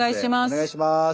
お願いします。